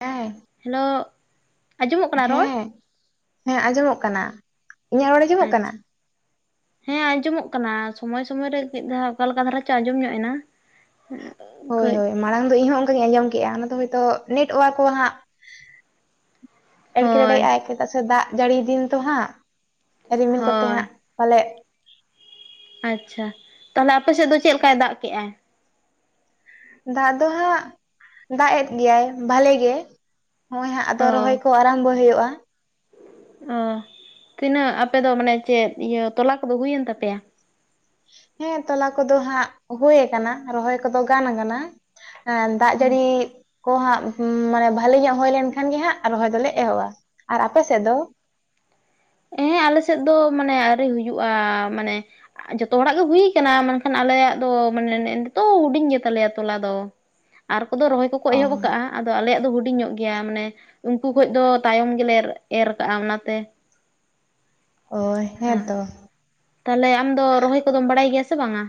ᱦᱮᱸ ᱦᱮᱞᱳ ᱟᱸᱡᱚᱢᱚᱜ ᱠᱟᱱᱟ ᱨᱚᱲ? ᱦᱮᱸ ᱦᱮᱸ ᱟᱸᱡᱚᱢᱚᱜ ᱠᱟᱱᱟ ᱤᱧᱟᱹᱜ ᱨᱚᱲ ᱟᱸᱡᱚᱢᱚᱜ ᱠᱟᱱᱟ? ᱟᱪᱪᱷᱟ ᱦᱮᱸ ᱟᱸᱡᱚᱢᱚᱜ ᱠᱟᱱᱟ ᱥᱚᱢᱚᱭ ᱥᱚᱢᱚᱭ ᱨᱮ ᱢᱤᱫ ᱫᱷᱟᱣ ᱚᱠᱟ ᱞᱮᱠᱟ ᱫᱷᱟᱨᱟ ᱪᱚ ᱟᱸᱡᱚᱢ ᱧᱚᱜ ᱮᱱᱟ ᱦᱳᱭ ᱠᱟᱹᱡ ᱦᱳᱭ ᱢᱟᱲᱟᱝ ᱫᱚ ᱤᱧ ᱦᱚᱸ ᱚᱱᱠᱟᱧ ᱟᱸᱡᱚᱢ ᱠᱮᱜ-ᱟ ᱚᱱᱟ ᱫᱚ ᱦᱚᱭᱛᱳ ᱱᱮᱴ ᱳᱣᱟᱨᱠ ᱠᱚ ᱦᱟᱸᱜ ᱦᱳᱭ ᱮᱴᱠᱮᱴᱚᱬᱮᱭᱮᱜᱼᱟᱭ ᱪᱮᱫᱟᱜ ᱥᱮ ᱫᱟᱜ ᱡᱟᱹᱲᱤ ᱫᱤᱱ ᱛᱚ ᱦᱟᱸᱜ ᱨᱤᱢᱤᱞ ᱠᱚᱛᱮ ᱦᱳᱭ ᱦᱟᱸᱜ ᱯᱟᱞᱮᱜ ᱟᱪᱪᱷᱟ ᱛᱟᱦᱚᱞᱮ ᱟᱯᱮ‌ ᱥᱮᱫ ᱫᱚ ᱪᱮᱫ ᱞᱮᱠᱟᱭ ᱫᱟᱜ ᱠᱮᱫ-ᱟ ᱫᱟᱜ ᱫᱚ ᱦᱟᱸᱜ ᱫᱟᱜ ᱮᱫ ᱜᱮᱭᱟᱭ ᱵᱷᱟᱞᱮ ᱜᱮ ᱱᱚᱜ-ᱚᱭ ᱦᱟᱸᱜ ᱟᱫᱚ ᱨᱚᱦᱚᱭ ᱚ ᱠᱚ ᱟᱨᱟᱢᱵᱚᱭ ᱦᱩᱭᱩᱜᱼᱟ ᱚ ᱛᱤᱱᱟᱹᱜ ᱟᱯᱮ ᱫᱚ ᱢᱟᱱᱮ ᱪᱮᱫ ᱤᱭᱟᱹ ᱛᱚᱞᱟ ᱠᱚᱫᱚ ᱦᱩᱭᱮᱱ ᱛᱟᱯᱮᱭᱟ ᱦᱮᱸ ᱛᱚᱞᱟ ᱠᱚᱫᱚ ᱦᱟᱸᱜ ᱦᱳᱭ ᱟᱠᱟᱱᱟ ᱨᱚᱦᱚᱭ ᱠᱚᱫᱚ ᱜᱟᱱ ᱟᱠᱟᱱᱟ ᱦᱮᱸ ᱫᱟᱜ ᱡᱟᱹᱲᱤ ᱠᱚ ᱦᱟᱸᱜ ᱢᱟᱱᱮ ᱵᱷᱟᱹᱞᱤ ᱧᱚᱜ ᱦᱩᱭ ᱞᱮᱱᱠᱷᱟᱱ ᱜᱮ ᱦᱟᱸᱜ ᱨᱚᱦᱚᱭ ᱫᱚᱞᱮ ᱮᱦᱚᱵᱟ ᱾ ᱟᱨ ᱟᱯᱮ ᱥᱮᱫ ᱫᱚ? ᱦᱮᱸ ᱟᱞᱮ ᱥᱮᱫ ᱫᱚ ᱢᱟᱱᱮ ᱟᱣᱨᱤ ᱦᱩᱭᱩᱜᱼᱟ ᱢᱟᱱᱮ ᱡᱚᱛᱚ ᱦᱚᱲᱟᱜ ᱜᱮ ᱦᱩᱭ ᱠᱟᱱᱟ ᱢᱮᱱᱠᱷᱟᱱ ᱟᱞᱮᱭᱟᱜ ᱫᱚ ᱢᱟᱱᱮ ᱱᱮᱜ-ᱮ ᱱᱤᱛᱚᱜ ᱦᱩᱰᱤᱧ ᱜᱮ ᱛᱟᱞᱮᱭᱟ ᱛᱚᱞᱟ ᱫᱚ ᱟᱨ ᱠᱚᱫᱚ ᱨᱚᱦᱚᱭ ᱠᱚᱠᱚ ᱚ ᱮᱦᱚᱵ ᱟᱠᱟᱜᱼᱟ ᱟᱫᱚ ᱟᱞᱮᱭᱟᱜ ᱫᱚ ᱦᱩᱰᱤᱧ ᱧᱚᱜ ᱜᱮᱭᱟ ᱢᱟᱱᱮ ᱩᱱᱠᱩ ᱠᱷᱚᱡ ᱫᱚ ᱛᱟᱭᱚᱢ ᱜᱮᱞᱮ ᱮᱨ ᱟᱠᱟᱜᱼᱟ ᱚᱱᱟᱛᱮ ᱦᱚᱭ ᱦᱮᱸ ᱛᱟᱦᱚᱞᱮ ᱟᱢ ᱫᱚ ᱨᱚᱦᱚᱭ ᱠᱚᱫᱚᱢ ᱵᱟᱲᱟᱭ ᱜᱮᱭᱟ ᱥᱮ ᱵᱟᱝᱟ?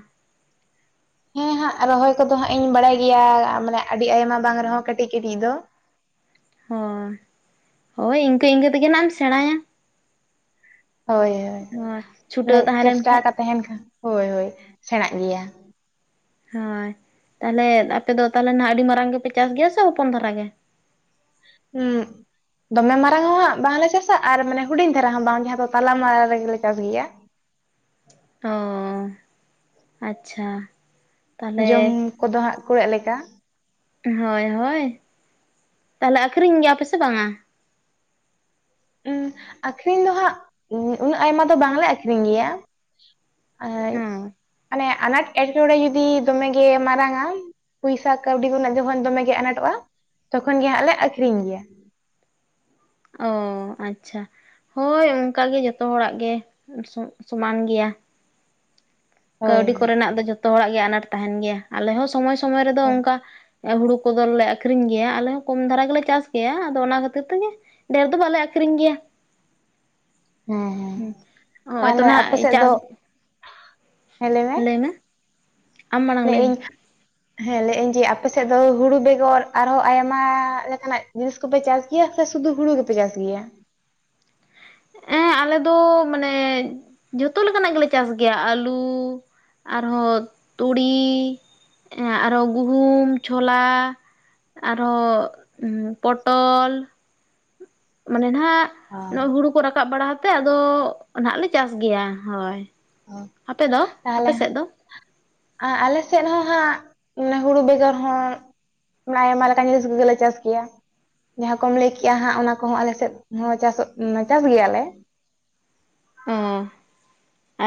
ᱦᱮᱸ ᱦᱟᱸᱜ ᱨᱚᱦᱚᱭ ᱠᱚᱫᱚ ᱦᱟᱸᱜ ᱤᱧ ᱵᱟᱲᱟᱭ ᱜᱮᱭᱟ ᱢᱟᱱᱮ ᱟᱹᱰᱤ ᱟᱭᱢᱟ ᱵᱟᱝ ᱨᱮᱦᱚᱸ ᱠᱟᱹᱴᱤᱡ ᱠᱟᱹᱴᱤᱡ ᱫᱚ ᱦᱚᱭ ᱦᱚᱭ ᱤᱱᱠᱟᱹ ᱤᱱᱠᱟᱹ ᱛᱮᱜᱮ ᱱᱷᱟᱜ ᱮᱢ ᱥᱮᱸᱬᱟᱭᱟ ᱦᱳᱭ ᱦᱳᱭ ᱪᱷᱩᱴᱟᱹᱣ ᱢᱟᱱᱮ ᱛᱟᱦᱮᱸ ᱞᱮᱱ ᱪᱮᱥᱴᱟ ᱠᱷᱟᱡ ᱟᱠᱟᱫ ᱛᱟᱦᱮᱱ ᱠᱷᱟᱱ ᱦᱳᱭ ᱦᱳᱭ ᱥᱮᱬᱟᱜ ᱜᱮᱭᱟ ᱦᱳᱭ ᱛᱟᱦᱚᱞᱮ ᱟᱯᱮ ᱫᱚ ᱛᱟᱦᱚᱞᱮ ᱱᱟᱦᱟᱜ ᱟᱹᱰᱤ ᱢᱟᱨᱟᱝ ᱜᱮᱯᱮ ᱪᱟᱥ ᱜᱮᱭᱟ ᱥᱮ ᱦᱚᱯᱚᱱ ᱫᱷᱟᱨᱟ ᱜᱮ? ᱦᱩᱸ ᱫᱚᱢᱮ ᱢᱟᱨᱟᱝ ᱦᱚᱸ ᱦᱟᱸᱜ ᱵᱟᱝᱞᱮ ᱪᱟᱥᱟ ᱟᱨ ᱢᱟᱱᱮ ᱦᱩᱰᱤᱧ ᱫᱷᱟᱨᱟ ᱦᱚᱸ ᱵᱟᱝ ᱡᱟᱦᱟᱸ ᱫᱚ ᱛᱟᱞᱟ ᱢᱟᱞᱟ ᱨᱮᱜᱮᱞᱮ ᱪᱟᱥ ᱜᱮᱭᱟ᱾ ᱚ ᱟᱪᱪᱷᱟ ᱛᱟᱦᱚᱞᱮ ᱡᱚᱢ ᱠᱚᱫᱚ ᱦᱟᱸᱜ ᱠᱩᱲᱟᱹᱜ ᱞᱮᱠᱟ᱾ ᱦᱳᱭ ᱦᱳᱭ ᱛᱟᱦᱚᱞᱮ ᱟᱹᱠᱷᱨᱤᱧ ᱜᱮᱭᱟᱯᱮᱥᱮ ᱵᱟᱝᱟ? ᱩᱸ ᱟᱠᱷᱨᱤᱧ ᱫᱚ ᱦᱟᱜ ᱩᱱᱟᱹᱜ ᱟᱭᱢᱟ ᱫᱚ ᱵᱟᱝᱞᱮ ᱟᱠᱷᱨᱤᱧ ᱜᱮᱭᱟ᱾ ᱦᱚᱭ ᱚᱱᱮ ᱟᱱᱟᱴ ᱮᱴᱠᱮᱴᱬᱮ ᱡᱩᱫᱤ ᱫᱚᱢᱮᱜᱮ ᱢᱟᱨᱟᱝᱟ, ᱯᱚᱭᱥᱟ ᱠᱟᱹᱣᱰᱤ ᱠᱚᱨᱮᱱᱟᱜ ᱡᱚᱠᱷᱚᱱ ᱫᱚᱢᱮᱜᱮ ᱟᱱᱟᱴᱚᱜᱼᱟ ᱛᱚᱠᱷᱚᱱ ᱜᱮ ᱦᱟᱸᱜ ᱞᱮ ᱟᱠᱷᱨᱤᱧ ᱜᱮᱭᱟ᱾ ᱚ ᱟᱪᱪᱷᱟ ᱦᱳᱭ ᱚᱱᱠᱟ ᱜᱮ ᱡᱷᱚᱛᱚ ᱦᱚᱲᱟᱜ ᱜᱮ ᱥᱚᱢᱟᱱ ᱜᱮᱭᱟ᱾ ᱦᱳᱭ ᱠᱟᱹᱣᱰᱤ ᱠᱚᱨᱮᱱᱟᱜ ᱫᱚ ᱡᱷᱚᱛᱚ ᱦᱚᱲᱟᱜ ᱜᱮ ᱟᱱᱟᱴ ᱛᱟᱦᱮᱱ ᱜᱮᱭᱟ ᱟᱞᱮ ᱦᱚᱸ ᱥᱚᱢᱚᱭ ᱥᱚᱢᱚᱭ ᱨᱮᱫᱚ ᱦᱳᱭ ᱚᱱᱠᱟ ᱦᱩᱲᱩ ᱠᱚᱫᱚᱞᱮ ᱟᱠᱷᱨᱤᱧ ᱜᱮᱭᱟ ᱟᱞᱮ ᱦᱚᱸ ᱠᱚᱢ ᱫᱷᱟᱨᱟ ᱜᱮᱞᱮ ᱪᱟᱥ ᱜᱮᱭᱟ ᱟᱫᱚ ᱚᱱᱟ ᱠᱷᱟᱹᱛᱤᱨ ᱛᱮᱜᱮ, ᱰᱷᱮᱨ ᱫᱚ ᱵᱟᱞᱮ ᱟᱠᱷᱨᱤᱧ ᱜᱮᱭᱟ᱾ ᱦᱮᱸ ᱦᱮᱸ ᱱᱚᱜᱼᱚᱭ ᱛᱚ ᱛᱟᱦᱚᱞᱮ ᱟᱯᱮ ᱱᱟᱜ ᱥᱮᱫ ᱫᱚ ᱪᱟᱥ ᱦᱮᱸ ᱞᱟᱹᱭ ᱢᱮ ᱟᱢ ᱢᱟᱲᱟᱝ ᱞᱟᱹᱭ ᱮᱜ ᱢᱮ ᱤᱧ ᱦᱮᱸ ᱞᱟᱹᱭ ᱮᱜ ᱟᱹᱧ ᱡᱮ ᱟᱯᱮ ᱥᱮᱫ ᱫᱚ ᱦᱩᱲᱩ ᱵᱮᱜᱚᱨ ᱟᱨᱦᱚᱸ ᱟᱭᱢᱟ ᱞᱮᱠᱟᱱᱟᱜ ᱡᱤᱱᱤᱥ ᱠᱚᱯᱮ ᱪᱟᱥ ᱜᱮᱭᱟ ᱥᱮ ᱥᱩᱫᱩ ᱦᱩᱲᱩ ᱜᱮᱯᱮ ᱪᱟᱥ ᱜᱮᱭᱟ ᱦᱮᱸ ᱟᱞᱮ ᱫᱚ ᱢᱟᱱᱮ ᱡᱷᱚᱛᱚ ᱞᱮᱠᱟᱱᱟᱜ ᱜᱮᱞᱮ ᱪᱟᱥ ᱜᱮᱭᱟ ᱟᱹᱞᱩ ᱟᱨᱦᱚᱸ ᱛᱩᱲᱤ ᱟᱨᱦᱚᱸ ᱜᱩᱦᱩᱢ, ᱪᱷᱳᱞᱟ ᱟᱨᱚ ᱯᱚᱴᱚᱞ ᱢᱟᱱᱮ ᱱᱟᱦᱟᱜ ᱱᱚ ᱦᱩᱲᱩ ᱠᱚ ᱨᱟᱠᱟᱵ ᱵᱟᱲᱟ ᱠᱟᱛᱮᱫ ᱟᱫᱚ ᱱᱦᱟᱜ ᱞᱮ ᱪᱟᱥ ᱜᱮᱭᱟ ᱦᱳᱭ᱾ ᱚ ᱟᱯᱮ ᱫᱚ ᱟᱯᱮ ᱛᱟᱦᱚᱞᱮ ᱦᱟᱜ ᱥᱮᱫ ᱫᱚ ᱟᱨ ᱟᱞᱮ ᱥᱮᱫ ᱦᱚᱸ ᱦᱟᱸᱜ ᱢᱟᱱᱮ ᱦᱩᱲᱩ ᱵᱮᱜᱚᱨ ᱦᱚᱸ ᱚᱱᱮ ᱟᱭᱢᱟ ᱞᱮᱠᱟᱱ ᱡᱤᱱᱤᱥ ᱠᱚᱜᱮᱞᱮ ᱪᱟᱥ ᱜᱮᱭᱟ᱾ ᱡᱟᱦᱟᱸ ᱠᱚᱢ ᱞᱟᱹᱭ ᱠᱮᱜᱼᱟ ᱦᱟᱸᱜ ᱚᱱᱟ ᱠᱚᱦᱚᱸ ᱟᱞᱮ ᱥᱮᱫ ᱦᱚᱸ ᱪᱟᱥᱚᱜ ᱪᱟᱥ ᱜᱮᱭᱟᱞᱮ᱾ ᱚ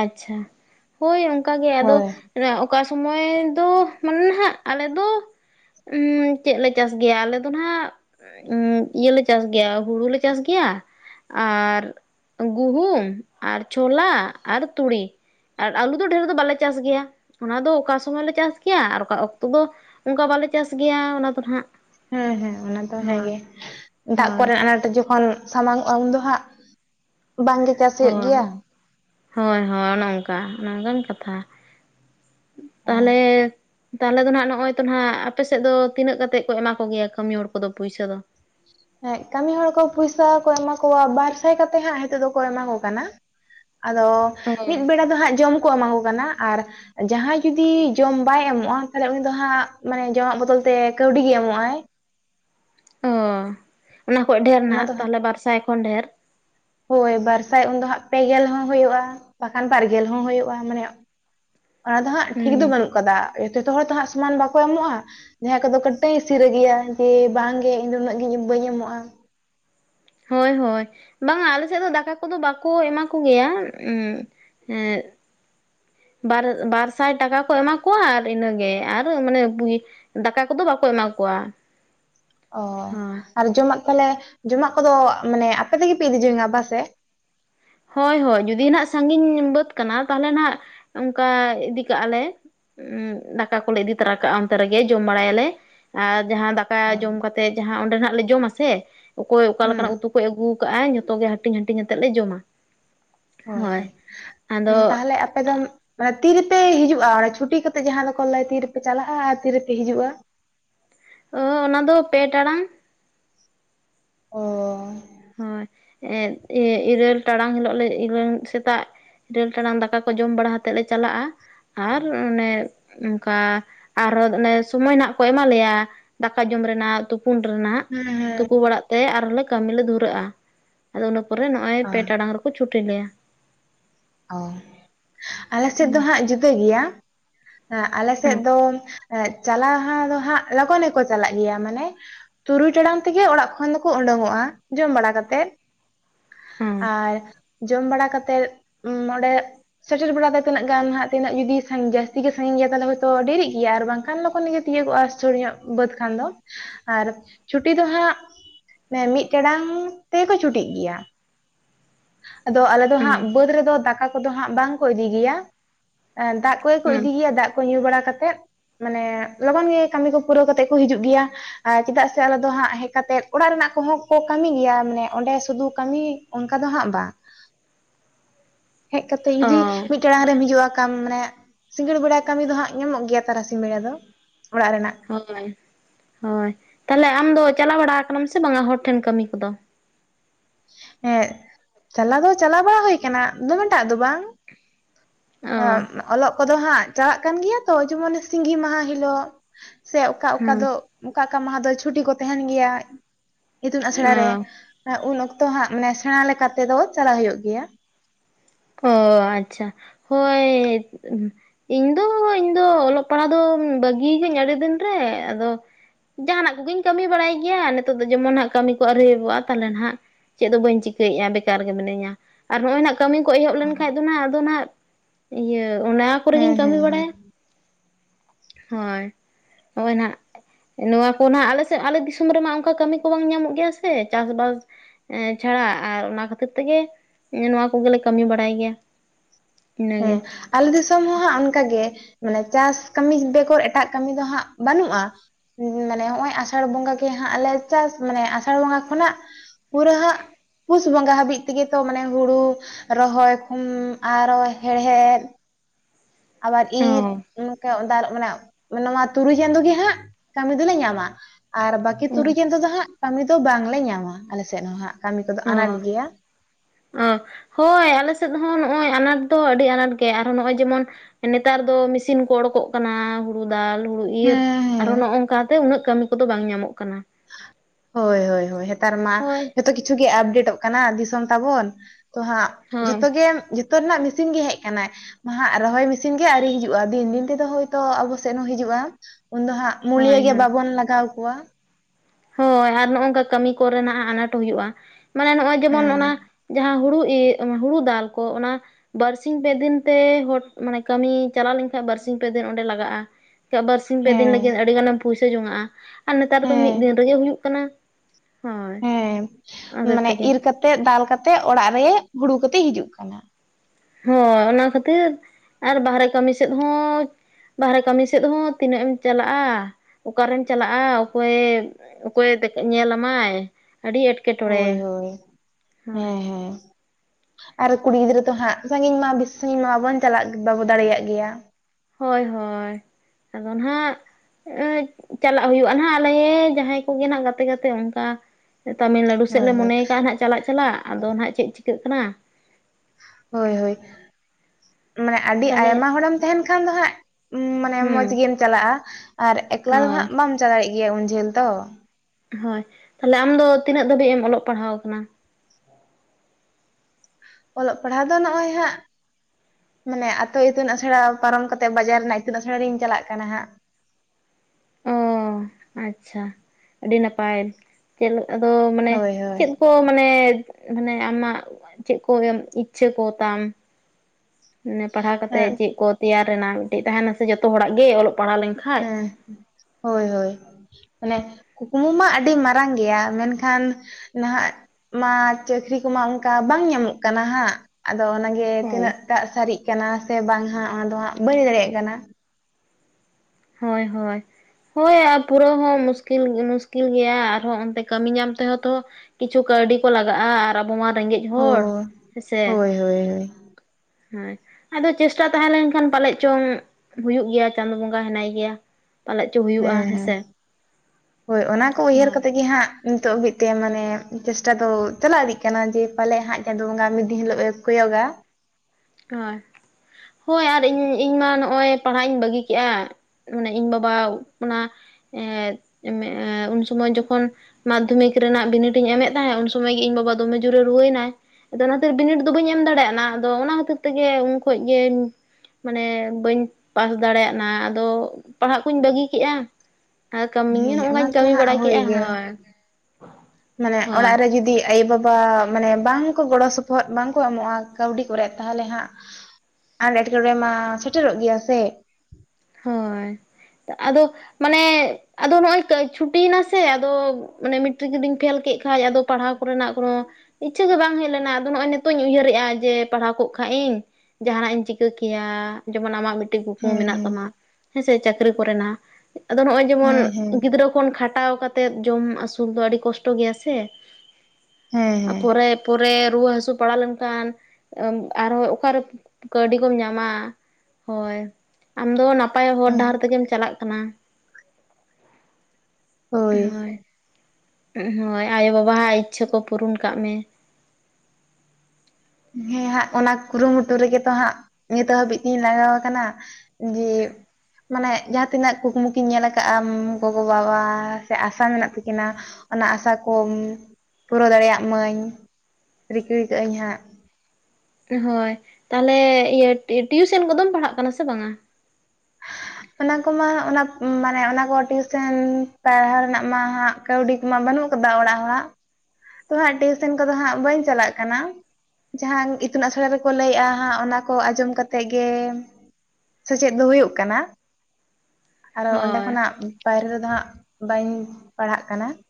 ᱟᱪᱪᱷᱟ ᱦᱳᱭ ᱚᱱᱠᱟ ᱜᱮ ᱟᱫᱚ ᱦᱳᱭ ᱚᱠᱟ ᱥᱚᱢᱚᱭ ᱫᱚ ᱢᱟᱱᱮ ᱦᱟᱜ ᱟᱞᱮ ᱫᱚ ᱩᱸ ᱪᱮᱫ ᱞᱮ ᱪᱟᱥ ᱜᱮᱭᱟ ᱟᱞᱮ ᱫᱚ ᱦᱟᱜ᱾ ᱤᱭᱟᱹᱞᱮ ᱪᱟᱥ ᱜᱮᱭᱟ ᱦᱩᱲᱩ ᱞᱮ ᱪᱟᱥ ᱜᱮᱭᱟ, ᱟᱨ ᱜᱩᱦᱩᱢ, ᱟᱨ ᱪᱷᱳᱞᱟ, ᱟᱨ ᱛᱩᱲᱤ, ᱟᱨ ᱟᱞᱩ ᱫᱚ ᱰᱷᱮᱨ ᱫᱚ ᱵᱟᱞᱮ ᱪᱟᱥ ᱜᱮᱭᱟ, ᱚᱱᱟ ᱫᱚ ᱚᱠᱟ ᱥᱚᱢᱚᱭᱞᱮ ᱪᱟᱥ ᱜᱮᱭᱟ ᱟᱨ ᱚᱠᱟ ᱚᱠᱛᱚ ᱫᱚ ᱚᱱᱠᱟ ᱵᱟᱞᱮ ᱪᱟᱥ ᱜᱮᱭᱟ ᱚᱱᱟ ᱫᱚ ᱦᱟᱜ ᱦᱮᱸ ᱦᱮᱸ ᱚᱱᱟ ᱫᱚ ᱦᱮᱸᱜᱮ ᱫᱟᱜ ᱦᱳᱭ ᱠᱚᱨᱮᱱᱟᱜ ᱟᱱᱟᱴ ᱡᱚᱠᱷᱚᱱ ᱥᱟᱢᱟᱝ ᱩᱱᱫᱚ ᱦᱟᱸᱜ ᱵᱟᱝᱜᱮ ᱪᱟᱥ ᱦᱩᱭᱩᱜ ᱦᱳᱭ ᱜᱮᱭᱟ᱾ ᱦᱳᱭ ᱦᱳᱭ ᱚᱱᱮ ᱚᱱᱠᱟ ᱚᱱᱮ ᱚᱱᱠᱟᱱ ᱠᱟᱛᱷᱟ, ᱚ ᱛᱟᱦᱞᱮ ᱛᱟᱦᱚᱞᱮ ᱫᱚ ᱦᱱᱟᱜ ᱱᱚᱜᱼᱚᱭ ᱛᱚ ᱱᱟᱜ ᱟᱯᱮ ᱥᱮᱫ ᱫᱚ ᱛᱤᱱᱟᱹᱜ ᱠᱟᱛᱮᱜ ᱠᱚ ᱮᱢᱟ ᱠᱚᱜᱮᱭᱟ ᱠᱟᱹᱢᱤ ᱦᱚᱲ ᱠᱚᱫᱚ ᱯᱩᱭᱥᱟᱹ ᱫᱚ? ᱦᱮᱸ ᱠᱟᱹᱢᱤ ᱦᱚᱲ ᱠᱚ ᱯᱚᱭᱥᱟ ᱠᱚ ᱮᱢᱟ ᱠᱚᱣᱟ ᱵᱟᱨ ᱥᱟᱭ ᱠᱟᱛᱮᱜ ᱦᱟᱸᱜ ᱱᱤᱛᱚᱜ ᱫᱚᱠᱚ ᱮᱢᱟ ᱠᱚ ᱠᱟᱱᱟ᱾ ᱟᱫᱚ ᱦᱮᱸ ᱢᱤᱫ ᱵᱮᱲᱟ ᱫᱚ ᱦᱟᱸᱜ ᱡᱚᱢ ᱠᱚ ᱮᱢᱟ ᱠᱚ ᱠᱟᱱᱟ ᱟᱨ ᱡᱟᱦᱟᱸᱭ ᱡᱩᱫᱤ ᱡᱚᱢ ᱵᱟᱭ ᱮᱢ ᱞᱟᱜᱼᱟ ᱛᱟᱦᱚᱞᱮ ᱩᱱᱤ ᱫᱚ ᱦᱟᱸᱜ ᱢᱟᱱᱮ ᱡᱚᱢᱟᱜ ᱵᱚᱫᱚᱞ ᱛᱮ ᱠᱟᱹᱣᱰᱤ ᱜᱮᱭ ᱮᱢᱚᱜᱼ ᱟᱭ᱾ ᱚᱻ ᱚᱱᱟ ᱠᱷᱚᱡ ᱰᱷᱮᱨ ᱚᱱᱟ ᱱᱟᱜ ᱫᱚ ᱦᱟᱸᱜ ᱛᱟᱦᱞᱮ ᱵᱟᱨ ᱥᱟᱭ ᱠᱷᱚᱱ ᱰᱷᱮᱨ᱾ ᱦᱳᱭ ᱵᱟᱨ ᱥᱟᱭ ᱩᱱᱫᱚ ᱦᱟᱸᱜ ᱯᱮ ᱜᱮᱞ ᱦᱚᱸ ᱦᱩᱭᱩᱜᱼᱟ ᱵᱟᱠᱷᱟᱱ ᱵᱟᱨᱜᱮᱞ ᱦᱚᱸ ᱦᱩᱭᱩᱜᱼᱟ᱾ ᱢᱟᱱᱮ ᱚᱱᱟ ᱫᱚ ᱦᱟᱸᱜ ᱴᱷᱤᱠ ᱫᱚ ᱦᱩᱸ ᱵᱟᱹᱱᱩᱜ ᱠᱟᱫᱟ, ᱡᱚᱛᱚ ᱦᱚᱲ ᱫᱚ ᱦᱟᱸᱜ ᱥᱚᱢᱟᱱ ᱵᱟᱠᱚ ᱮᱢᱚᱜᱼᱟ᱾ ᱡᱟᱦᱟᱸᱭ ᱠᱚᱫᱚ ᱠᱟᱹᱴᱤᱡ ᱥᱤᱨᱟᱹ ᱜᱮᱭᱟ ᱡᱮ ᱵᱟᱝᱜᱮ ᱤᱧᱫᱚ ᱩᱱᱟᱹᱜ ᱜᱮ ᱵᱟᱹᱫ ᱮᱢᱚᱜᱼᱟ ᱦᱳᱭ ᱦᱳᱭ ᱵᱟᱝᱼᱟ ᱟᱞᱮ ᱥᱮᱫ ᱫᱚ ᱫᱟᱠᱟ ᱠᱚᱫᱚ ᱵᱟᱠᱚ ᱮᱢᱟ ᱠᱚᱜᱮᱭᱟ᱾ ᱮᱸᱜ ᱵᱟᱨ ᱵᱟᱨ ᱥᱟᱭ ᱴᱟᱠᱟ ᱠᱚ ᱮᱢᱟ ᱠᱚᱣᱟ ᱟᱨ ᱤᱱᱟᱹᱜᱮ ᱟᱨ ᱢᱟᱱᱮ ᱯᱩᱭ ᱫᱟᱠᱟ ᱠᱚᱫᱚ ᱵᱟᱠᱚ ᱮᱢᱟ ᱠᱚᱣᱟ᱾ ᱚ ᱦᱳᱭ ᱟᱨ ᱡᱚᱢᱟᱜ ᱛᱟᱦᱚᱞᱮ ᱡᱚᱢᱟᱜ ᱠᱚᱫᱚ ᱢᱟᱱᱮ ᱟᱯᱮ ᱛᱮᱜᱮ ᱯᱮ ᱤᱫᱤ ᱡᱚᱝᱼᱟ ᱵᱟᱥᱮ? ᱦᱳᱭ ᱦᱳᱭ ᱡᱩᱫᱤ ᱱᱟᱜ ᱥᱟᱜᱤᱧ ᱵᱟᱹᱫ ᱠᱟᱱᱟ ᱛᱟᱦᱚᱞᱮ ᱦᱟᱜ ᱚᱱᱠᱟ ᱤᱫᱤ ᱠᱟᱜᱼᱟᱞᱮ᱾ ᱫᱟᱠᱟ ᱠᱚᱞᱮ ᱤᱫᱤ ᱛᱟᱨᱟ ᱠᱟᱜᱼᱟ ᱚᱱᱛᱮ ᱨᱮᱜᱮ ᱡᱚᱢ ᱵᱟᱲᱟᱭᱟᱞᱮ ᱟᱨ ᱡᱟᱦᱟᱸ ᱫᱟᱠᱟ ᱚ ᱡᱚᱢ ᱠᱟᱛᱮ ᱡᱟᱦᱟᱸ ᱚᱸᱰᱮ ᱱᱟᱜ ᱞᱮ ᱡᱚᱢ ᱥᱮ ᱚᱠᱚᱭ ᱚᱠᱟ ᱦᱩᱸ ᱞᱮᱠᱟᱱᱟᱜ ᱩᱛᱩ ᱠᱚᱭ ᱟᱹᱜᱩ ᱠᱟᱜ ᱟᱭ ᱡᱚᱛᱚᱜ ᱜᱮ ᱦᱟᱹᱴᱤᱧ ᱦᱟᱹᱴᱤᱧ ᱠᱟᱛᱮᱫ ᱞᱮ ᱡᱚᱢᱟ᱾ ᱦᱳᱭ ᱦᱳᱭ ᱟᱫᱚ ᱛᱟᱦᱞᱮ ᱟᱯᱮ ᱫᱚ ᱢᱟᱱᱮ ᱛᱤ ᱨᱮ ᱯᱮ ᱦᱤᱡᱩᱜᱼᱟ ᱪᱷᱩᱴᱤ ᱠᱟᱛᱮᱜ ᱡᱟᱦᱟᱸ ᱫᱚ ᱠᱚ ᱞᱟᱹᱭ ᱛᱤ ᱨᱮᱯᱮ ᱪᱟᱞᱟᱜᱼᱟ ᱟᱨ ᱛᱤ ᱨᱮ ᱯᱮ ᱦᱤᱡᱩᱜᱼᱟ ᱳᱳ ᱚᱱᱟ ᱫᱚ ᱯᱮ ᱴᱟᱲᱟᱝ ᱚ ᱦᱚᱭ ᱮᱫ ᱤᱨᱟᱹᱞ ᱴᱟᱲᱟᱝ ᱦᱤᱞᱳᱜ ᱞᱮ ᱤᱨᱟᱹᱞ ᱥᱮᱛᱟᱜ ᱤᱨᱟᱹᱞ ᱴᱟᱲᱟᱝ ᱫᱟᱠᱟ ᱠᱚ ᱡᱚᱢ ᱵᱟᱲᱟ ᱦᱟᱛᱮᱫ ᱞᱮ ᱪᱟᱞᱟᱜᱼᱟ ᱟᱨ ᱚᱱᱮ ᱚᱝᱠᱟ ᱟᱨᱦᱚᱸ ᱚᱱᱮ ᱥᱚᱢᱚᱭ ᱠᱚ ᱮᱢᱟ ᱞᱮᱭᱟ ᱫᱟᱠᱟ ᱡᱚᱢ ᱨᱮᱱᱟᱜ ᱛᱩᱯ ᱯᱩᱱ ᱨᱮᱱᱟᱜ ᱦᱮᱸ ᱦᱮᱸ ᱛᱩᱯᱩ ᱵᱟᱲᱟᱜ ᱛᱮ ᱟᱨᱦᱚᱸᱞᱮ ᱠᱟᱹᱢᱤ ᱞᱮ ᱫᱷᱩᱨᱟᱹᱜᱼᱟ ᱟᱫᱚ ᱤᱱᱟᱹ ᱯᱚᱨᱮ ᱱᱚᱜᱼᱚᱭ ᱯᱮ ᱟᱸ, ᱴᱟᱲᱟᱝ ᱨᱮᱠᱚ ᱪᱷᱩᱴᱤ ᱞᱮᱭᱟ ᱚᱚ ᱟᱞᱮ ᱥᱮᱫ ᱫᱚ ᱦᱟᱸᱜ ᱡᱩᱫᱟᱹ ᱜᱮᱭᱟ ᱟᱜ ᱟᱞᱮ ᱥᱮᱫ ᱫᱚ ᱮᱸ ᱪᱟᱞᱟᱣ ᱫᱚ ᱦᱟᱸᱜ ᱞᱚᱜᱚᱱ ᱜᱮᱠᱚ ᱪᱟᱞᱟᱜ ᱜᱮᱭᱟ ᱢᱟᱱᱮ ᱛᱩᱨᱩᱭ ᱴᱟᱲᱟᱝ ᱛᱮᱜᱮ ᱚᱲᱟᱜ ᱠᱷᱚᱱ ᱫᱚᱠᱚ ᱳᱰᱳᱝᱚᱜᱼᱟ ᱡᱚᱢ ᱵᱟᱲᱟ ᱠᱟᱛᱮᱫ ᱟᱨ ᱡᱚᱢ ᱵᱟᱲᱟ ᱠᱟᱛᱮᱫ ᱱᱰᱮ- ᱥᱮᱴᱮᱨ ᱵᱟᱲᱟ ᱛᱮ ᱛᱤᱱᱟᱹᱜ ᱜᱟᱱ ᱦᱟᱸᱜ ᱛᱤᱱᱟᱹᱜ ᱡᱩᱫᱤ ᱥᱟ ᱡᱟᱥᱛᱤ ᱜᱮ ᱥᱟᱺᱜᱤᱧ ᱜᱮᱭᱟ ᱛᱟᱦᱚᱞᱮ ᱦᱚᱭᱛᱚ ᱰᱮᱨᱤᱜ ᱜᱮᱭᱟ ᱵᱟᱝᱠᱷᱟᱱ ᱞᱚᱜᱚᱱ ᱜᱮ ᱛᱤᱭᱳᱟᱹᱜᱚᱜᱼᱟ ᱥᱩᱨ ᱧᱚᱜ ᱵᱟᱹᱫᱽ ᱠᱷᱟᱱ ᱫᱚ ᱟᱨ ᱪᱷᱩᱴᱤ ᱫᱚ ᱦᱟᱸᱜ᱾ ᱮᱢ ᱢᱤᱫ ᱴᱟᱲᱟᱝ ᱛᱮᱠᱚ ᱪᱷᱩᱴᱤᱜ ᱜᱮᱭᱟ ᱟᱫᱚ ᱟᱞᱮ ᱫᱚ ᱦᱟᱸᱜ ᱵᱟᱹᱫᱽ ᱨᱮᱫᱚ ᱫᱟᱠᱟ ᱠᱚᱫᱚ ᱦᱟᱸᱜ ᱵᱟᱝ ᱠᱚ ᱤᱫᱤ ᱜᱮᱭᱟ ᱫᱟᱜ ᱟᱠᱳ ᱜᱮ ᱠᱚ ᱤᱫᱤ ᱜᱮᱭᱟ ᱫᱟᱜ ᱠᱚ ᱧᱩ ᱵᱟᱲᱟ ᱠᱟᱛᱮᱫ ᱢᱟᱱᱮ ᱞᱚᱜᱚᱱ ᱜᱮ ᱠᱟᱹᱢᱤ ᱠᱚ ᱯᱩᱨᱟᱹᱣ ᱠᱟᱛᱮᱫ ᱠᱚ ᱦᱤᱡᱩᱜ ᱜᱮᱭᱟ ᱟ ᱪᱮᱫᱟᱜ ᱥᱮ ᱟᱞᱮ ᱫᱚ ᱦᱟᱸᱜ ᱦᱮᱡ ᱠᱟᱛᱮᱫ ᱚᱲᱟᱜ ᱨᱮᱱᱟᱜ ᱠᱚᱦᱚᱸ ᱠᱚ ᱠᱟᱹᱢᱤ ᱜᱮᱭᱟ ᱢᱟᱱᱮ ᱚᱸᱰᱮ ᱥᱩᱫᱩ ᱠᱟᱹᱢᱤ ᱚᱝᱠᱟ ᱫᱚ ᱦᱟᱸᱜ ᱵᱟ ᱦᱮᱡ ᱠᱟᱛᱮ ᱡᱩᱫᱤ ᱚ ᱢᱤᱫ ᱴᱟᱲᱟᱝ ᱨᱮᱢ ᱦᱤᱡᱩᱜᱼᱟ ᱠᱟᱢ ᱢᱟᱱᱮ ᱥᱤᱸᱜᱟᱹᱲ ᱵᱮᱲᱟ ᱠᱟᱹᱢᱤ ᱫᱚ ᱦᱟᱸᱜ ᱧᱟᱢᱚᱜ ᱜᱮᱭᱟ ᱛᱟᱨᱟ ᱥᱤᱧ ᱵᱮᱲᱟ ᱫᱚ ᱚᱲᱟᱜ ᱨᱮᱱᱟᱜ ᱦᱳᱭ ᱦᱳᱭ ᱛᱟᱦᱞᱮ ᱟᱢ ᱫᱚ ᱪᱟᱞᱟᱣ ᱵᱟᱲᱟ ᱠᱟᱱᱟᱢ ᱥᱮ ᱵᱟᱝᱟ ᱦᱚᱲ ᱴᱷᱮᱱ ᱠᱟᱹᱢᱤ ᱠᱚᱫᱚ ᱮᱸᱜ ᱪᱟᱞᱟᱣ ᱫᱚ ᱪᱟᱞᱟᱣ ᱵᱟᱲᱟ ᱦᱩᱭ ᱠᱟᱱᱟ ᱫᱚᱢᱮ ᱴᱟᱜ ᱫᱚ ᱵᱟᱝ ᱚ ᱚᱞᱚᱜ ᱠᱚᱫᱚ ᱦᱟᱸᱜ ᱪᱟᱞᱟᱜ ᱠᱟᱱ ᱜᱮᱭᱟ ᱛᱚ ᱦᱚᱜᱼᱚᱭ ᱡᱮᱢᱚᱱ ᱥᱤᱸᱜᱤ ᱢᱟᱦᱟ ᱦᱤᱞᱳᱜ ᱥᱮ ᱚᱠᱟ ᱚᱠᱟ ᱦᱮᱸ ᱫᱚ ᱚᱠᱟ ᱚᱠᱟ ᱢᱟᱦᱟᱸ ᱫᱚ ᱪᱷᱩᱴᱤ ᱠᱚ ᱛᱟᱦᱮᱱ ᱜᱮᱭᱟ ᱤᱛᱩᱱ ᱟᱥᱲᱟᱨᱮ ᱚ ᱩᱱ ᱚᱠᱛᱚ ᱦᱟᱸᱜ ᱢᱟᱱᱮ ᱥᱮᱬᱟ ᱞᱮᱠᱟ ᱛᱮᱫᱚ ᱪᱟᱞᱟᱜ ᱦᱩᱭᱩᱜ ᱜᱮᱭᱟ ᱚ ᱟᱪᱪᱷᱟ ᱦᱳᱭ ᱤᱧ ᱫᱚ ᱤᱧ ᱫᱚ ᱚᱞᱚᱜ ᱯᱟᱲᱦᱟᱜ ᱫᱚ ᱵᱟᱹᱜᱤᱠᱟᱧ ᱟᱹᱰᱤ ᱫᱤᱱᱨᱮ ᱟᱫᱚ ᱡᱟᱦᱟ ᱱᱟᱜ ᱠᱚ ᱜᱮᱧ ᱠᱟᱹᱢᱤ ᱵᱟᱲᱟᱭ ᱜᱮᱭᱟ ᱱᱤᱛᱚᱜ ᱫᱚ ᱡᱮᱢᱚᱱ ᱦᱟᱸᱜ ᱠᱟᱹᱢᱤ ᱠᱚ ᱟᱹᱨᱤ ᱦᱮᱵᱚᱜᱼᱟ ᱛᱟᱦᱚᱞᱮ ᱦᱟᱜ ᱪᱮᱫ ᱦᱚᱸᱵᱟᱹᱧ ᱪᱤᱠᱟᱹᱭᱮᱜᱼᱟ ᱵᱮᱠᱟᱨ ᱜᱮ ᱢᱤᱱᱟᱹᱧᱟ ᱟᱨ ᱦᱚᱜᱼᱚᱭ ᱱᱟᱜ ᱠᱟᱹᱢᱤ ᱠᱚ ᱮᱦᱚᱵ ᱞᱮᱱᱠᱷᱟᱱ ᱫᱚ ᱟᱫᱚ ᱱᱟᱜ ᱚᱱᱟ ᱠᱚᱨᱮ ᱜᱤᱧ ᱦᱮᱸ ᱠᱟᱹᱢᱤ ᱦᱮᱸ ᱵᱟᱲᱟᱭᱟ ᱦᱮᱸ ᱦᱳᱭ ᱱᱚᱜ ᱚᱭ ᱱᱟᱜ ᱱᱚᱣᱟ ᱠᱚ ᱱᱟᱜ ᱟᱞᱮ ᱥᱮᱫ ᱟᱞᱮ ᱫᱤᱥᱚᱢ ᱨᱮᱢᱟ ᱚᱱᱠᱟ ᱠᱟᱹᱢᱤ ᱠᱚ ᱵᱟᱝ ᱧᱟᱢᱚᱜ ᱜᱮᱭᱟ ᱥᱮ ᱪᱟᱥ ᱵᱟᱥ ᱮᱮ ᱪᱷᱟᱲᱟ ᱟᱨ ᱚᱱᱟ ᱠᱷᱟᱹᱛᱤᱨ ᱛᱮᱜᱮ ᱱᱚᱣᱟ ᱠᱚ ᱜᱮᱞᱮ ᱠᱟᱹᱢᱤ ᱵᱟᱲᱟᱭ ᱜᱮᱭᱟ ᱦᱮᱸ ᱤᱱᱟᱹᱜᱮ ᱟᱞᱮ ᱫᱤᱥᱚᱢ ᱦᱚᱸ ᱦᱟᱸᱜ ᱚᱱᱠᱟ ᱜᱮ ᱢᱟᱱᱮ ᱪᱟᱥ ᱠᱟᱹᱢᱤ ᱵᱮᱜᱚᱨ ᱮᱴᱟᱜ ᱠᱟᱹᱢᱤ ᱫᱚ ᱦᱟᱸᱜ ᱵᱟᱹᱱᱩᱜᱼᱟ ᱢᱟᱱᱮ ᱦᱚᱜ ᱚᱭ ᱟᱥᱟᱲ ᱵᱚᱸᱜᱟ ᱜᱮ ᱦᱟᱸᱜ ᱞᱮ ᱪᱟᱥ ᱢᱟᱱᱮ ᱟᱥᱟᱲ ᱵᱚᱸᱜᱟ ᱠᱷᱚᱱᱟᱜ ᱯᱩᱨᱟᱹ ᱦᱟᱜ ᱯᱩᱥ ᱵᱚᱸᱜᱟ ᱦᱟᱹᱵᱤᱡ ᱛᱮᱜᱮ ᱛᱚ ᱢᱟᱱᱮ ᱦᱩᱲᱩ ᱨᱚᱦᱚᱭ ᱠᱷᱚᱱ ᱟᱨᱚ ᱦᱮᱲᱦᱮᱫ ᱟᱵᱟᱨ ᱤᱨ ᱚ ᱱᱚᱝᱠᱟ ᱫᱟᱞ ᱢᱟᱱᱮ ᱱᱚᱣᱟ ᱛᱩᱨᱩᱭ ᱪᱟᱸᱫᱚ ᱜᱮ ᱦᱟᱸᱜ ᱠᱟᱹᱢᱤ ᱫᱚᱞᱮ ᱧᱟᱢᱟ ᱟᱨ ᱵᱟᱹᱠᱤ ᱛᱩᱨᱩᱭ ᱚ ᱪᱟᱸᱫᱳ ᱫᱚ ᱦᱟᱸᱜ ᱠᱟᱹᱢᱤ ᱫᱚ ᱛᱚ ᱵᱟᱝᱞᱮ ᱧᱟᱢᱟ ᱟᱞᱮ ᱥᱮᱫ ᱦᱚᱸ ᱦᱟᱸᱜ ᱠᱟᱹᱢᱤ ᱠᱚᱫᱚ ᱟᱱᱟᱴ ᱚ ᱜᱮᱭᱟ ᱚ ᱦᱳᱭ ᱟᱞᱮ ᱥᱮᱫ ᱦᱚᱸ ᱱᱚᱜᱼᱚᱭ ᱟᱱᱟᱴ ᱫᱚ ᱟᱹᱰᱤ ᱟᱱᱟᱴ ᱜᱮ ᱟᱨᱦᱚᱸ ᱱᱚᱜᱼᱚᱭ ᱡᱮᱢᱚᱱ ᱱᱮᱛᱟᱨ ᱫᱚ ᱢᱤᱥᱤᱱ ᱠᱚ ᱳᱲᱳᱠᱚᱜ ᱠᱟᱱᱟ ᱦᱩᱲᱩ ᱫᱟᱞ ᱦᱩᱲᱩ ᱤᱨ ᱦᱮᱸ ᱤᱨ ᱦᱮᱸ ᱟᱨᱦᱚ ᱱᱚᱝ ᱠᱟᱛᱮ ᱩᱱᱟᱹᱜ ᱠᱟᱹᱢᱤ ᱠᱚᱫᱚ ᱵᱟᱝ ᱧᱟᱢᱚᱜ ᱠᱟᱱᱟ ᱦᱳᱭ ᱦᱳᱭ ᱦᱳᱭ ᱦᱮᱛᱟᱨ ᱢᱟ ᱦᱳᱭ ᱡᱚᱛᱚ ᱠᱤᱪᱷ ᱜᱮ ᱟᱯᱰᱮᱴᱚᱜ ᱠᱟᱱᱟ ᱫᱤᱥᱚᱢ ᱛᱟᱵᱚᱱ ᱛᱚ ᱦᱟᱸᱜ ᱦᱳᱭ ᱡᱚᱛᱚ ᱜᱮ ᱡᱚ ᱛᱚ ᱨᱮᱱᱟᱜ ᱢᱤᱥᱤᱱ ᱜᱮ ᱦᱮᱡ ᱠᱟᱱᱟᱭ ᱦᱟᱜ ᱨᱚᱦᱚᱭ ᱢᱤᱥᱤᱱ ᱜᱮ ᱟᱹᱣᱨᱤ ᱦᱤᱡᱩᱜᱼᱟ ᱫᱤᱱ ᱫᱤᱱ ᱛᱮᱫᱚ ᱦᱳᱭᱛᱳ ᱟᱵᱚ ᱥᱮᱫ ᱦᱚᱸ ᱦᱤᱡᱩᱜᱼᱟ ᱩᱱᱫᱚ ᱦᱟᱸᱜ ᱢᱩᱞᱭᱟᱹ ᱦᱳᱭ ᱜᱮ ᱦᱳᱭ ᱵᱟᱵᱚᱱ ᱞᱟᱜᱟᱣ ᱠᱚᱣᱟ ᱦᱳᱭ ᱟᱨ ᱱᱚᱜᱼ ᱱᱚᱝᱠᱟ ᱠᱟᱹᱢᱤ ᱠᱚ ᱨᱮᱱᱟᱜ ᱟᱱᱟᱴ ᱦᱩᱭᱩᱜᱼᱟ ᱢᱟᱱᱮ ᱱᱚᱜᱼᱚᱭ ᱡᱮᱢᱚᱱ ᱦᱮᱸ ᱚᱱᱟ ᱡᱟᱦᱟᱸ ᱦᱩᱲᱳ ᱤᱭᱹ ᱦᱳᱲᱳ ᱫᱟᱞ ᱠᱚ ᱚᱱᱟ ᱵᱟᱨ ᱥᱤᱧ ᱯᱮ ᱫᱤᱱ ᱛᱮ ᱦᱚ ᱢᱟᱱᱮ ᱠᱟᱹᱢᱤ ᱪᱟᱞᱟᱣ ᱞᱮᱱᱠᱷᱟᱱ ᱵᱟᱨ ᱥᱤᱧ ᱯᱮ ᱫᱤᱱ ᱚᱸᱰᱮ ᱞᱟᱜᱟᱜᱼᱟ ᱪᱚᱸ ᱵᱟᱨᱥᱤᱧ ᱯᱮ ᱫᱤᱱ ᱦᱮᱸ ᱞᱟᱹᱜᱤᱫ ᱟᱹᱰᱤ ᱜᱟᱱᱮ ᱮᱢ ᱯᱩᱭᱥᱟᱹ ᱡᱚᱝᱱᱟᱜᱼᱟ ᱟᱨ ᱱᱮᱛᱟᱨ ᱫᱚ ᱢᱤᱫ ᱦᱮᱸ ᱫᱤᱱᱹ ᱨᱮᱹᱜᱮ ᱦᱩᱭᱩᱼᱜ ᱠᱟᱱᱟᱹ ᱦᱮᱸ ᱢᱟᱱᱮ ᱛᱮᱜᱮ ᱤᱨ ᱠᱟᱛᱮᱼᱜ ᱫᱟᱞ ᱠᱟᱛᱮᱼᱜ ᱚᱲᱟᱼᱜ ᱨᱮ ᱦᱩᱲᱩ ᱠᱟᱛᱮᱼᱜ ᱦᱤᱡᱩᱜ ᱠᱟᱱᱟᱹ ᱦᱳᱭᱸ ᱚᱱᱟ ᱠᱷᱟᱹᱛᱤᱨ ᱟᱨ ᱵᱟᱦᱨᱮ ᱠᱟᱹᱢᱤ ᱥᱮᱫ ᱦᱚᱸ ᱵᱟᱨ ᱨᱮ ᱠᱟᱹᱢᱤ ᱥᱮᱫ ᱦᱚᱸ ᱛᱤᱱᱟᱹᱜ ᱮᱢ ᱪᱟᱞᱟᱜᱼᱟᱹ ᱚᱠᱟᱨᱮᱢ ᱪᱟᱞᱟᱜᱼᱟ ᱚᱼᱠᱚᱭ ᱚᱼᱠᱚᱭ ᱵᱮᱹᱠᱮᱫ ᱧᱮᱞ ᱟᱢᱟᱭᱸ ᱟᱹᱰᱤ ᱮᱸᱴᱮᱴᱮᱹ ᱦᱳᱭᱸ ᱦᱳᱭᱹ ᱦᱮᱸ ᱦᱮᱸ ᱟᱨ ᱠᱩᱲᱤ ᱜᱤᱫᱽᱨᱟᱹ ᱫᱚ ᱦᱟᱸᱜ ᱥᱟᱺᱜᱤᱧ ᱢᱟ ᱵᱮᱥ ᱥᱟᱺᱜᱤᱧ ᱢᱟᱵᱚᱱ ᱪᱟᱞᱟᱜᱼᱟᱹ ᱵᱟᱵᱚ ᱫᱟᱲᱮᱭᱟᱼᱜ ᱜᱮᱭᱼᱟ᱾ ᱦᱳᱭᱸ ᱦᱳᱭᱸ ᱟᱫᱚ ᱱᱟᱦᱟᱼᱜ ᱪᱟᱞᱟᱜᱼᱟᱹ ᱦᱩᱭᱩᱜᱼᱟ ᱦᱟᱸᱜ ᱟᱼᱞᱮ ᱡᱟᱦᱟᱸᱭ ᱠᱚ ᱜᱮ ᱱᱟᱜ ᱜᱟᱛᱮ ᱜᱟᱛᱮ ᱚᱱᱠᱟ᱾ ᱛᱟᱢᱤᱞᱱᱟᱲᱩ ᱥᱮᱫ ᱦᱳᱭ ᱞᱮ ᱦᱳᱭ ᱢᱚᱱᱮᱭ ᱟᱠᱟᱜᱼᱟ ᱦᱟᱸᱜ ᱪᱟᱞᱟᱜᱼᱟᱹ ᱪᱟᱞᱟᱜᱼᱟ ᱟᱫᱚ ᱱᱟᱜᱹ ᱪᱮᱫ ᱪᱤᱠᱟᱹᱜ ᱠᱟᱱᱟ ᱦᱳᱭᱸ ᱦᱳᱭᱸ ᱢᱟᱱᱮ ᱟᱹᱰᱤ ᱛᱟᱦᱚᱞᱮ ᱟᱭᱢᱟᱹ ᱦᱚᱲ ᱮᱢ ᱛᱟᱦᱮᱸᱱ ᱠᱷᱟᱱ ᱫᱚ ᱦᱟᱸᱜ ᱢᱟᱱᱮ ᱦᱮᱸ ᱢᱚᱸᱡᱽ ᱜᱮᱢ ᱪᱟᱞᱟᱜᱼᱟ ᱟᱨᱹ ᱮᱠᱞᱟ ᱫᱚ ᱦᱳᱭ ᱦᱟᱸᱜ ᱵᱟᱢ ᱪᱟ ᱫᱟᱲᱮᱜ ᱜᱮᱼᱭᱟ ᱩᱱ ᱡᱷᱟᱹᱞ ᱛᱚ᱾ ᱦᱳᱭᱸ ᱛᱟᱦᱞᱮ ᱟᱢ ᱫᱚ ᱛᱤᱱᱟᱹᱜ ᱫᱷᱟᱹᱵᱤᱡ ᱮᱢ ᱚᱞᱚᱜ ᱯᱟᱲᱦᱟᱣᱼᱟ ᱟᱹᱠᱟᱱᱟ ᱚᱞᱚᱜ ᱯᱟᱲᱦᱟᱣᱼᱟ ᱫᱚ ᱱᱚᱜᱼᱚᱭ ᱦᱟᱸᱜ ᱢᱟᱱᱮ ᱟᱛᱳ ᱤᱛᱩᱱᱟ ᱟᱥᱲᱟᱹ ᱯᱟᱨᱚᱢ ᱠᱟᱛᱮᱼᱜ ᱵᱟᱡᱟᱨ ᱨᱮᱱᱟᱼᱜ ᱤᱛᱩᱱᱟᱹᱜᱥᱲᱟ ᱨᱤᱧ ᱪᱟᱞᱟᱜᱼᱟ ᱠᱟᱱᱟ ᱦᱟᱸᱜ ᱚ ᱟᱼᱪᱷᱟ ᱟᱹᱰᱤ ᱱᱟᱯᱟᱼᱭ ᱪᱮᱫ ᱟᱫᱚ ᱢᱟᱹᱱᱮ ᱦᱳᱭ ᱦᱳᱭ ᱪᱮᱫᱹ ᱠᱚ ᱢᱟᱱᱮ ᱢᱟᱱᱮ ᱟᱢᱟᱭᱸ ᱪᱮᱫ ᱠᱚ ᱮᱢ ᱤᱪᱷᱟᱹ ᱠᱚ ᱛᱟᱢ ᱢᱮ ᱯᱟᱲᱦᱟᱣᱼᱟ ᱦᱮᱸ ᱠᱟᱛᱮᱼᱜ ᱪᱮᱫ ᱠᱚ ᱛᱮᱭᱟᱨ ᱨᱮᱱᱟᱜ ᱢᱤᱫᱴᱮᱡ ᱛᱟᱦᱮᱱᱟ ᱥᱮ ᱡᱚᱛᱚ ᱦᱚᱲᱟᱼᱜ ᱜᱮ ᱚᱞᱚᱜ ᱯᱟᱲᱦᱟᱣᱼᱟ ᱞᱮᱱᱹᱠᱷᱟᱱ ᱦᱮᱸ ᱦᱳᱭᱸ ᱦᱳᱭᱸ ᱢᱟᱱᱮ ᱠᱩᱠᱢᱩ ᱢᱟ ᱟᱹᱰᱤ ᱢᱟᱨᱟᱝ ᱜᱮᱼᱭᱟ ᱢᱮᱱ ᱠᱷᱟᱱ ᱱᱟᱷᱟᱼᱜ ᱢᱟ ᱪᱟᱹᱠᱨᱤ ᱠᱚ ᱢᱟᱹ ᱚᱱᱠᱟ ᱵᱟᱝ ᱧᱟᱢᱚᱼᱜ ᱠᱟᱱᱟ ᱦᱟᱸᱜ ᱟᱼᱫᱚ ᱚᱱᱟᱼᱜ ᱜᱮ ᱦᱳᱭ ᱛᱤᱱᱟᱹᱜ ᱫᱟᱜ ᱥᱟᱹᱨᱤᱜ ᱠᱟᱱᱟ ᱥᱮ ᱵᱟᱝ ᱦᱟᱜᱸ ᱚᱱᱟ ᱫᱚ ᱦᱟᱸᱜ ᱵᱟᱹᱧ ᱫᱟᱲᱮᱭᱟᱼᱜ ᱠᱟᱱᱟ ᱦᱳᱭᱸ ᱦᱳᱭᱸ ᱦᱳᱭᱸ ᱟᱨ ᱯᱩᱨᱟᱹ ᱦᱚᱸ ᱢᱩᱥᱠᱤᱞ ᱢᱩᱥᱠᱤᱞ ᱜᱮᱼᱭᱟ ᱟᱨ ᱦᱚᱸ ᱚᱱᱹᱛᱮ ᱠᱟᱹᱢᱤ ᱧᱟᱢ ᱛᱮᱹᱦᱚᱸ ᱛᱚ ᱠᱤᱹᱪᱷᱩ ᱠᱟᱹᱣᱰᱤ ᱠᱚ ᱞᱟᱜᱟᱜᱼᱟ ᱟᱨ ᱟᱵᱚ ᱢᱟ ᱨᱮᱸᱜᱮᱡ ᱦᱳ ᱦᱚᱲᱹ ᱦᱮᱸᱥᱮ ᱦᱳᱭ ᱦᱳᱭ ᱦᱳᱭ ᱦᱮᱸ ᱦᱮᱸ ᱟᱫᱚ ᱪᱮᱥᱴᱟ ᱛᱟᱦᱮᱸ ᱞᱮᱱᱹᱠᱷᱟᱱ ᱯᱟᱞᱮᱫ ᱪᱚᱝ ᱦᱩᱭᱩᱜᱼᱟ ᱜᱮᱼᱭᱟ ᱪᱟᱸᱫᱚᱳ ᱵᱚᱸᱜᱟᱹ ᱦᱮᱱᱟᱭ ᱜᱮᱼᱭᱟ ᱯᱟᱞᱮᱫ ᱪᱚ ᱦᱩᱭᱩᱜᱼᱟ ᱦᱮᱸ ᱦᱮᱸ ᱦᱮᱸᱥᱮ ᱦᱳᱭᱸ ᱚᱱᱟᱹ ᱠᱚ ᱦᱳᱭ ᱩᱭᱦᱟᱹᱨ ᱠᱟᱹᱛᱮ ᱜᱮ ᱦᱟᱼᱜ ᱱᱤᱛᱚᱼᱜ ᱦᱟᱹᱵᱤᱡ ᱛᱮ ᱢᱟᱹᱱᱮ ᱪᱮᱥᱴᱟ ᱫᱚ ᱪᱟᱞᱟᱼᱣ ᱤᱫᱤᱜ ᱠᱟᱱᱟ ᱡᱮ ᱯᱟᱞᱮ ᱦᱟᱸᱜ ᱪᱟᱸᱫᱳ ᱵᱚᱸᱜᱟ ᱢᱤᱫ ᱫᱤᱱ ᱦᱤᱞᱳᱜ ᱮ ᱠᱚᱭᱚᱜᱼᱟ ᱦᱳᱭᱸ ᱦᱳᱭᱸ ᱟᱨ ᱤᱧ ᱤᱧ ᱢᱟ ᱱᱚᱜᱼᱚᱭ ᱯᱟᱲᱦᱟᱣᱼᱟ ᱤᱧ ᱵᱟᱹᱜᱤ ᱠᱮᱫᱼᱟ ᱢᱟᱱᱮ ᱤᱧ ᱵᱟᱵᱟ ᱚᱱᱟ ᱩᱱ ᱮᱢᱮᱼᱟ ᱩᱱ ᱥᱚᱢᱚᱭ ᱡᱚᱹᱠᱷᱚᱱ᱾ ᱢᱟᱫᱽᱫᱷᱚᱢᱤᱠ ᱨᱮᱱᱟᱼᱜ ᱵᱤᱱᱤᱰ ᱤᱧ ᱮᱢᱮᱫ ᱛᱟᱦᱮᱸᱱ ᱩᱱ ᱥᱚᱢᱚᱭ ᱜᱮ ᱤᱧ ᱵᱟᱵᱟ ᱫᱚᱢᱮ ᱡᱳᱨᱮ ᱨᱩᱣᱟᱹᱭᱱᱟᱭᱹ ᱟᱼᱫᱚ ᱚᱱᱟᱛᱤᱨ ᱵᱤᱱᱤᱰ ᱫᱚ ᱵᱟᱹᱧ ᱮᱢ ᱫᱟᱲᱮᱭᱟᱜᱼᱟ ᱟᱼᱫᱚ ᱚᱱᱟ ᱠᱷᱟᱹᱛᱤᱨ ᱛᱮ ᱜᱮ ᱩᱱ ᱠᱷᱚᱱ ᱜᱮ ᱢᱟᱱᱮ ᱵᱟᱹᱧ ᱯᱟᱥ ᱫᱟᱲᱮᱭᱟᱜᱱᱟᱹ ᱟᱼᱫᱚ ᱯᱟᱲᱹᱦᱟᱜᱸ ᱠᱩᱧ ᱵᱟᱹᱜᱤ ᱠᱮᱫᱼᱟ ᱦᱮᱸ ᱚᱱᱟᱹ ᱛᱚ ᱦᱟᱸᱜ ᱦᱳᱭ ᱜᱮ ᱢᱟᱱᱮ ᱦᱳᱭ ᱚᱲᱟᱼᱜ ᱨᱮ ᱡᱩᱫᱤ ᱟᱭᱳᱼᱵᱟᱵᱟ ᱢᱟᱱᱮ ᱵᱟᱝᱼᱠᱚ ᱜᱚᱲᱚ ᱥᱚᱯᱚᱦᱚᱫ ᱵᱟᱝᱼᱠᱚ ᱮᱢᱚᱜᱼᱟ ᱠᱟᱹᱣᱰᱤ ᱠᱚᱹᱨᱮᱜ ᱛᱟᱦᱚᱸᱞᱮ ᱦᱟᱸᱜ ᱟᱨ ᱮᱞᱴ ᱠᱚᱹᱨᱮ ᱢᱟ ᱥᱮᱴᱮᱨᱚᱜ ᱜᱮᱼᱭᱟ ᱥᱮᱹ ᱦᱳᱭᱸ ᱟᱼᱫᱚ ᱢᱟᱹᱱᱮ ᱟᱼᱫᱚ ᱱᱚᱜᱼᱚᱭ ᱪᱷᱩᱴᱤᱹᱭ ᱮᱱᱟ ᱮᱥ ᱟᱼᱫᱚ ᱢᱮᱴᱨᱤᱠ ᱡᱩᱫᱤᱧ ᱯᱷᱮᱞ ᱠᱮᱫ ᱠᱷᱟᱱ ᱫᱚ ᱯᱟᱲᱦᱟᱣᱼᱟ ᱠᱚᱹᱨᱮᱱᱟᱼᱜ ᱠᱳᱱᱳ ᱤᱪᱷᱟᱹ ᱜᱮ ᱵᱟᱝ ᱦᱮᱡ ᱞᱮᱱᱟᱹᱧ ᱟᱼᱫᱚ ᱱᱚᱜᱼᱚᱭ ᱱᱤᱛᱚᱜ ᱧ ᱩᱭᱦᱟᱹᱨᱮᱜᱼᱟ ᱡᱮ ᱯᱟᱲᱦᱟᱣᱼᱟ ᱠᱚᱼᱜ ᱠᱷᱟᱱ ᱤᱧᱹ ᱡᱟᱦᱟᱱᱟᱜ ᱤᱧ ᱪᱤᱠᱟᱹ ᱠᱮᱭᱟ ᱡᱮᱢᱚᱱ ᱟᱢᱟᱜ ᱢᱤᱫᱴᱮᱱ ᱠᱩᱠᱢᱩ ᱦᱮᱸ ᱢᱮᱱᱟᱜ ᱦᱮᱸ ᱛᱟᱢᱟ ᱦᱮᱸᱥᱮ ᱪᱟᱹᱠᱨᱤ ᱠᱚᱨᱮᱱᱟᱜ ᱟᱫᱚ ᱱᱚᱜᱼᱚᱭ ᱡᱮᱢᱚᱱ ᱦᱮᱸ ᱦᱮᱸ ᱜᱤᱫᱽᱨᱟᱹ ᱠᱷᱚᱱ ᱠᱷᱟᱴᱟᱣ ᱠᱟᱛᱮᱫ ᱡᱚᱢ ᱟᱹᱥᱩᱞ ᱫᱚ ᱟᱹᱰᱤ ᱠᱚᱥᱴᱚ ᱜᱮᱭᱟ ᱥᱮ ᱦᱮᱸ ᱦᱮᱸ ᱯᱚᱨᱮ ᱯᱚᱨᱮ ᱨᱩᱣᱟᱹ ᱦᱟᱹᱥᱩ ᱯᱟᱲᱟᱣ ᱞᱮᱱᱠᱷᱟᱱ ᱟᱨ ᱦᱚᱸ ᱚᱠᱟᱨᱮ ᱠᱟᱹᱣᱰᱤ ᱠᱚᱢ ᱧᱟᱢᱟ ᱦᱚᱭ ᱟᱢ ᱫᱚ ᱱᱟᱯᱟ ᱱᱟᱯᱟᱭ ᱦᱚᱨ ᱦᱮᱸ ᱰᱟᱦᱟᱨ ᱛᱮᱜᱮᱢ ᱪᱟᱞᱟᱜ ᱠᱟᱱᱟ ᱦᱳᱭ ᱦᱚᱭ ᱦᱚᱭ ᱟᱭᱳ ᱵᱟᱵᱟ ᱣᱟᱜ ᱤᱪᱷᱟᱹ ᱠᱚ ᱯᱩᱨᱚᱱ ᱠᱟᱜ ᱢᱮ ᱦᱮᱸ ᱦᱟᱸᱜ ᱚᱱᱟ ᱠᱩᱨᱩᱢᱩᱴᱩ ᱨᱮᱜᱮ ᱛᱚ ᱦᱟᱸᱜ ᱱᱤᱛ ᱦᱟᱹᱵᱤᱡ ᱛᱤᱧ ᱞᱟᱜᱟᱣ ᱟᱠᱟᱱᱟ ᱡᱮ ᱢᱟᱱᱮ ᱡᱟᱦᱟᱸ ᱛᱤᱱᱟᱹᱜ ᱠᱩᱠᱢᱩᱠᱤᱱ ᱧᱮᱞ ᱠᱟᱜᱼᱟ ᱜᱚᱜᱚ ᱵᱟᱵᱟ ᱥᱮ ᱟᱥᱟ ᱢᱮᱱᱟᱜ ᱛᱟᱹᱠᱤᱱᱟ ᱚᱱᱟ ᱟᱥᱟ ᱠᱚ ᱯᱩᱨᱟᱹᱣ ᱫᱟᱲᱮᱭᱟᱜ ᱢᱟᱹᱧ ᱨᱤᱠᱟ. ᱠᱟᱜ ᱟᱹᱧ ᱦᱟᱸᱜ ᱦᱭ ᱛᱟᱦᱚᱞᱮ ᱤᱭᱟᱹ ᱴᱤᱭᱩᱥᱮᱱ ᱠᱚᱫᱚᱢ ᱯᱟᱲᱦᱟᱜ ᱠᱟᱱᱟ ᱥᱮ ᱵᱟᱝᱼᱟ ᱚᱱᱟ ᱠᱚᱢᱟ ᱚᱱᱟ ᱢᱟᱱᱮ ᱚᱱᱟ ᱠᱚ ᱴᱤᱭᱩᱥᱮᱱ ᱯᱟᱲᱦᱟᱣ ᱨᱮᱱᱟᱜ ᱢᱟ ᱦᱟᱸᱜ ᱠᱟᱹᱣᱰᱤ ᱠᱚᱢᱟ ᱵᱟᱹᱱᱩᱜ ᱠᱟᱫᱟ ᱚᱲᱟᱜ ᱦᱚᱲᱟᱜ ᱛᱚ ᱦᱟᱸᱜ ᱴᱤᱭᱩᱥᱚᱱ ᱠᱚᱫᱚ ᱦᱟᱸᱜ ᱵᱟᱹᱧ ᱪᱟᱞᱟᱜ ᱠᱟᱱᱟ ᱡᱟᱦᱟᱸ ᱤᱛᱩᱱ ᱟᱥᱲᱟ ᱨᱮᱠᱚ ᱞᱟᱹᱭᱮᱜᱼᱟ ᱦᱟᱸᱜ ᱚᱱᱟ ᱠᱚ ᱟᱸᱡᱚᱢ ᱠᱟᱛᱮᱜ ᱜᱮ ᱥᱮᱪᱮᱫ ᱫᱚ ᱦᱳᱭᱳᱜ ᱠᱟᱱᱟ ᱟᱨᱚ ᱚᱸᱰᱮ ᱦᱳᱭ ᱠᱷᱚᱱᱟᱜ ᱵᱟᱭᱨᱮ ᱨᱮ ᱫᱚ ᱦᱟᱸᱜ ᱵᱟᱹᱧ ᱯᱟᱲᱦᱟᱜ ᱠᱟᱱᱟ